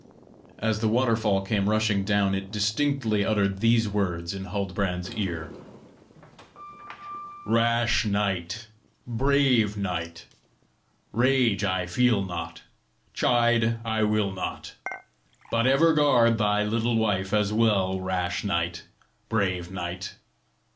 As the waterfall came rushing down, it distinctly uttered these words in Huldbrand's ear: "Rash knight, Brave knight, Rage, feel I not, Chide, will I not. But ever guard thy little wife as well, Rash knight, brave knight!